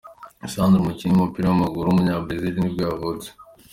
Sandro, umukinnyi w’umupira w’amaguru w’umunyabrazil nibwo yavutse.